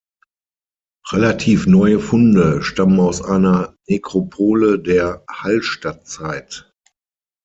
Relativ neue Funde stammen aus einer Nekropole der Hallstattzeit.